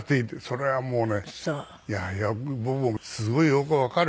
それはもうねいや僕もすごいよくわかるわけですよ。